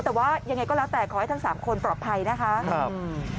แต่ว่ายังไงก็แล้วแต่ขอให้ทั้งสามคนปลอดภัยนะคะครับ